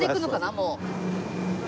もう。